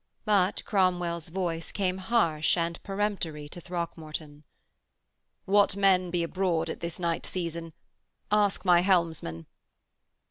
But Cromwell's voice came harsh and peremptory to Throckmorton: 'What men be abroad at this night season? Ask my helmsmen.'